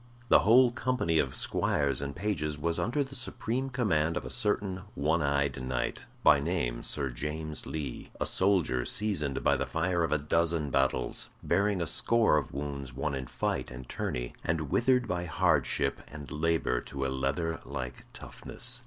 The whole company of squires and pages was under the supreme command of a certain one eyed knight, by name Sir James Lee; a soldier seasoned by the fire of a dozen battles, bearing a score of wounds won in fight and tourney, and withered by hardship and labor to a leather like toughness.